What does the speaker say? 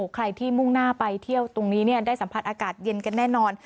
ใครที่มุ่งหน้าไปเที่ยวตรงนี้ได้สัมผัสอากาศเย็นกันแน่นอน